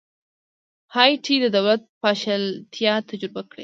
هایټي د دولت پاشلتیا تجربه کړې.